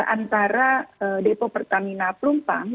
antara depo pertamina plumpang